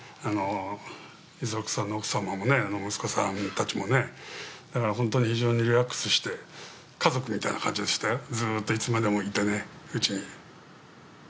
五十六さんの奥様も息子さんたちもね、だから本当に非常にリラックスして、家族みたいな感じでしたよ、ずっといつまでもうちにいてね。